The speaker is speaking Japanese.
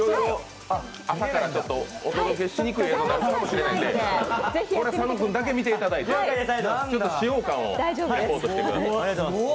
朝からお届けしにくい映像があるかもしれないんでこれは佐野君だけ見ていただいて使用感をレポートしてください。